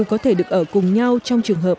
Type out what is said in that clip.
có thể được ở cùng nhau trong trường hợp